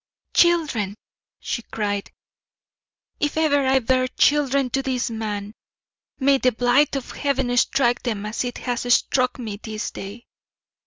"Children!" she cried. "If ever I bear children to this man, may the blight of Heaven strike them as it has struck me this day.